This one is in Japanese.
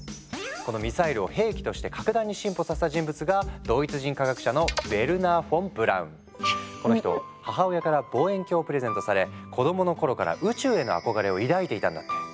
このミサイルを兵器として格段に進歩させた人物がこの人母親から望遠鏡をプレゼントされ子供の頃から宇宙への憧れを抱いていたんだって。